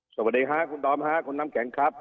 สวัสดีค่ะคุณดอมฮะคุณน้ำแข็งครับ